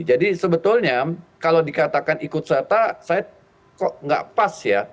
jadi sebetulnya kalau dikatakan ikut serta saya kok nggak pas ya